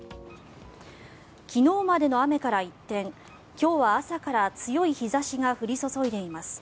昨日までの雨から一転今日は朝から強い日差しが降り注いでいます。